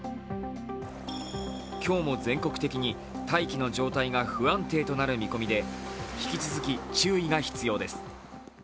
今日も全国的に大気の状態が不安定となる見込みで引き続き、注意が必要です。